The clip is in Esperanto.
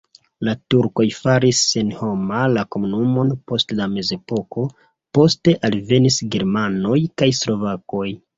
La turkoj faris senhoma la komunumon post la mezepoko, poste alvenis germanoj kaj slovakoj.